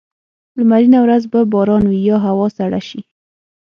لمرینه ورځ به باران وي یا هوا سړه شي.